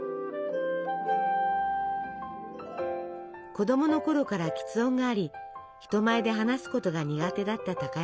子供のころからきつ音があり人前で話すことが苦手だった高山さん。